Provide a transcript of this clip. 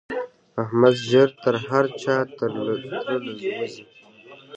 احمد ژر تر هر چا تر له وزي.